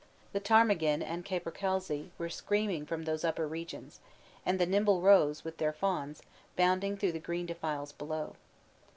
The ptarmigan and capercailzie were screaming from those upper regions; and the nimble roes, with their fawns, bounding through the green defiles below.